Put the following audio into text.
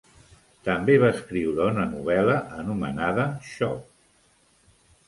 També va escriure una novel·la anomenada Shop!